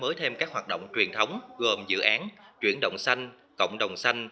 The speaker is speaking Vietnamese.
mới thêm các hoạt động truyền thống gồm dự án chuyển động xanh cộng đồng xanh